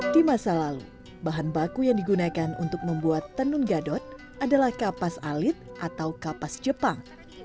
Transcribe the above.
di masa lalu bahan baku yang digunakan untuk membuat tenun gadot adalah kapas alit atau kapas jepang